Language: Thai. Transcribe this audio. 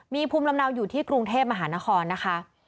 มีภูมิลำเนาอยู่ที่กรุงเทพมหานครนะคะ